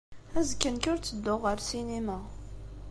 Azekka, nekk ur ttedduɣ ɣer ssinima.